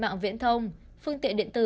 mạng viễn thông phương tiện điện tử